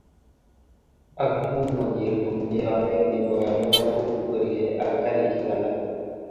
agoo muchmageer komnyei oret kemboi amu ago kwergei ago karishek alak